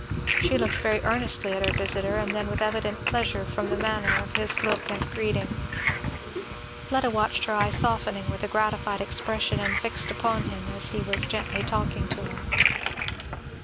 She looked very earnestly at her visiter and then with evident pleasure from the manner of his look and greeting. Fleda watched her eye softening with a gratified expression and fixed upon him as he was gently talking to her.